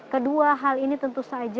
kedua hal ini tentu saja